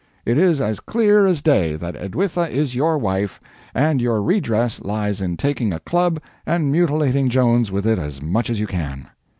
It is as clear as day that Edwitha is your wife, and your redress lies in taking a club and mutilating Jones with it as much as you can.